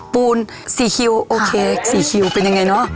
ปูน๔คิวโอเค๔คิวเป็นยังไงเนอะ